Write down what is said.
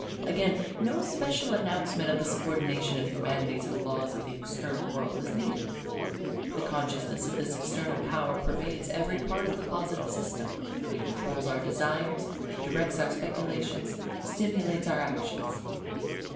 Again, no special announcement of the subordination of Humanity to the laws of the External World is needed. The consciousness of this external power pervades every part of the Positive system; it controls our desires, directs our speculations, stimulates our actions.